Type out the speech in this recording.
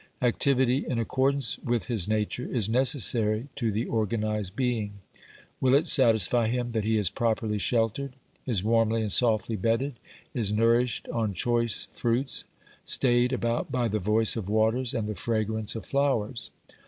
Activity in accordance with his nature is necessary to the organised being. Will it satisfy him that he is properly sheltered, is warmly and softly bedded, is nourished on choice fruits, stayed about by the voice of waters and the fragrance of flowers